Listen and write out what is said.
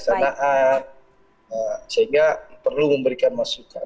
sehingga perlu memberikan masukan